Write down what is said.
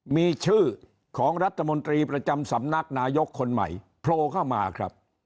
มีชื่อของรัฐมนตรีประจำสำนักนายกคนใหม่โผล่เข้ามาครับ